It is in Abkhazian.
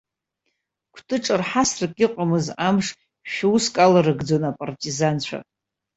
Кәты ҿырҳасрак иҟамыз амш шә-уск аларгӡон апартизанцәа.